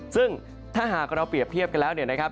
ซึ่งถ้าหากเราเปรียบเทียบกันแล้วเนี่ยนะครับ